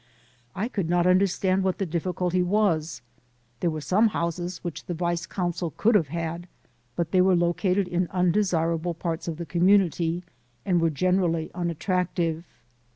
I could not understand what the difficulty was. There were some houses which the Vice Consul could have had, but they were located in undesirable parts of the community and were generally unattractive.